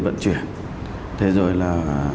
vận chuyển thế rồi là